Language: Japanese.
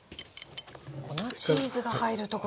粉チーズが入るところが。